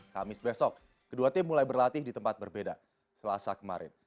kamis besok kedua tim mulai berlatih di tempat berbeda selasa kemarin